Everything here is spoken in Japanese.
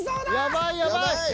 やばいやばい。